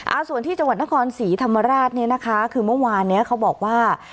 อ่าส่วนที่จังหวัดนครศรีธรรมราชเนี่ยนะคะคือเมื่อวานเนี้ยเขาบอกว่า